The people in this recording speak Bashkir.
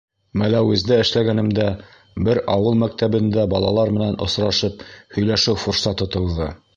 Мәләүездә эшләгәнемдә бер ауыл мәктәбендә балалар менән осрашып һөйләшеү форсаты тыуҙы.